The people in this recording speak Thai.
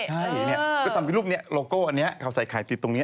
ใช่ก็ทำที่รูปนี้โลโก้อันนี้เขาใส่ไข่ติดตรงนี้